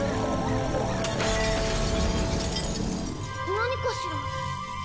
何かしら？